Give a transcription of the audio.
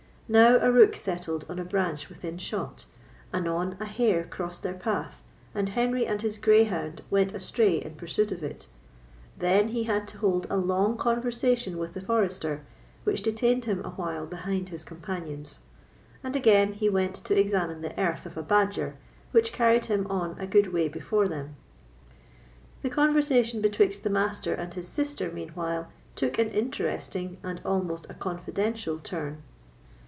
Now a rook settled on a branch within shot; anon a hare crossed their path, and Henry and his greyhound went astray in pursuit of it; then he had to hold a long conversation with the forester, which detained him a while behind his companions; and again he went to examine the earth of a badger, which carried him on a good way before them. The conversation betwixt the Master and his sister, meanwhile, took an interesting, and almost a confidential, turn.